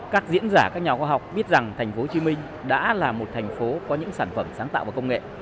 các diễn giả các nhà khoa học biết rằng thành phố hồ chí minh đã là một thành phố có những sản phẩm sáng tạo và công nghệ